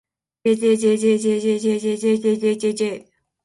jjjjjjjjjjjjjjjjj